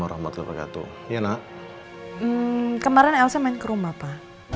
warahmatullah wa barakatuh ya nak kemarin elsa main kerumah pak